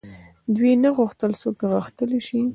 دوی نه غوښتل څوک غښتلي شي.